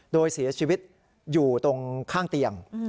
โดยเสียชีวิตอยู่ตรงข้างเตียง